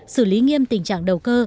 sử lý nghiêm tình trạng đầu cơ